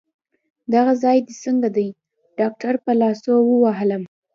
دغه ځای دي څنګه دی؟ ډاکټر په لاسو ووهلم.